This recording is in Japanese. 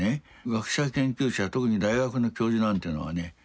学者研究者特に大学の教授なんていうのはね